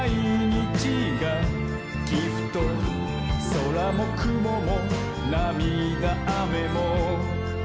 「そらもくももなみだあめも」